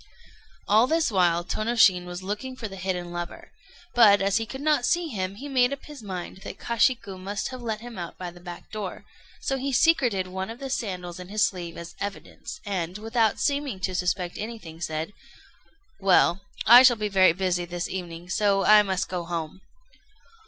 ] All this while Tônoshin was looking for the hidden lover; but, as he could not see him, he made up his mind that Kashiku must have let him out by the back door; so he secreted one of the sandals in his sleeve as evidence, and, without seeming to suspect anything, said: "Well, I shall be very busy this evening, so I must go home."